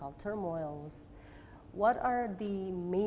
apakah pertanyaan utama